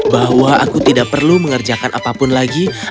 bahwa aku tidak perlu mengerjakan apapun lagi untuk hidup